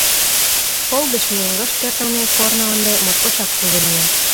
Школ гыч мӧҥгыш пӧртылмӧ корно ынде моткочак кужу лийын.